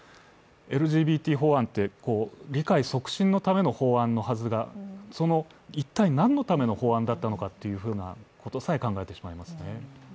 ＬＧＢＴ法案は理解促進のための法案のはずが、一体、何のための法案だったのかとさえ考えてしまいますね。